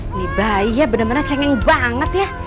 ini bayi ya bener bener cengeng banget ya